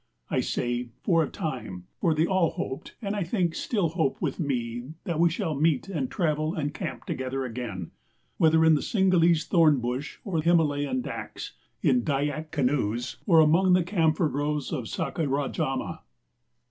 I say 'for a time' for they all hoped, and I think still hope with me, that we shall meet and travel and camp together again, whether in the Cinghalese thorn bush, or Himalayan dâks, in Dyak canoes or among the camphor groves of Sakarajama.